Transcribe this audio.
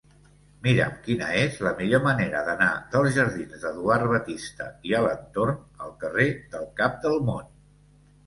Mira'm quina és la millor manera d'anar dels jardins d'Eduard Batiste i Alentorn al carrer del Cap del Món.